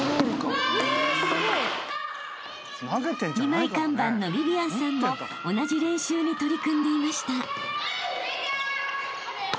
［二枚看板のビビアンさんも同じ練習に取り組んでいました］